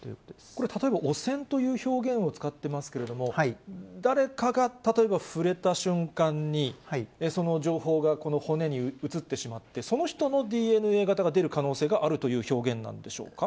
これ、例えば汚染という表現を使ってますけれども、誰かが、例えば触れた瞬間に、その情報がこの骨に移ってしまって、その人のＤＮＡ型が出る可能性があるという表現なんでしょうか。